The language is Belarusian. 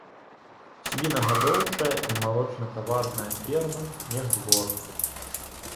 Свінагадоўчая і малочнатаварная фермы, мехдвор.